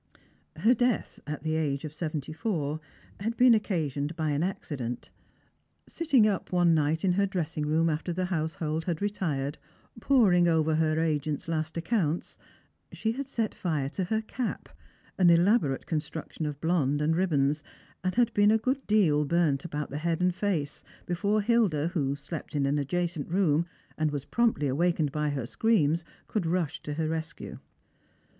Her death, at the age of seventy four, had been occasioned by an accident. Sitting up one night in her dressing room after the household had retired, poring over her agent's last accounts, she had set fire to her cap, an elaborate construction of blonde and ribbons, and had been a good deal burnt about the head and face before Hilda, who slept in an adjacent room, and was promptly awakened by her screams, could rush to her rescue.